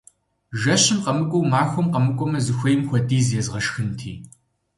Жэщым къэмыкӀуэу махуэм къакӀуэмэ, зыхуейм хуэдиз езгъэшхынти!